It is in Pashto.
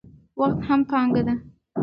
وخت هم پانګه ده.